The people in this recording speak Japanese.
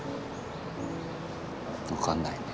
分かんないね。